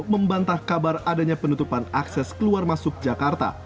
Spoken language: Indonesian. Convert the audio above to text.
membantah kabar adanya penutupan akses keluar masuk jakarta